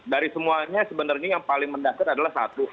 dari semuanya sebenarnya yang paling mendasar adalah satu